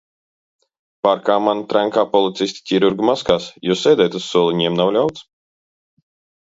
Parkā mani trenkā policisti ķirurga maskās, jo sēdēt uz soliņiem nav ļauts.